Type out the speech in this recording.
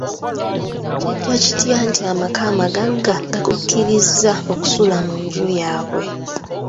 Kijja kitya nti amaka amagagga gakukirizza okusula munju yaabwe?